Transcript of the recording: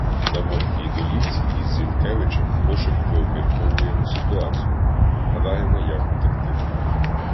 На вогкій долівці із Зінкевичем пошепки обмірковуємо ситуацію, гадаємо, як утекти.